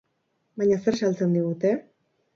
Baina zer saltzen digute?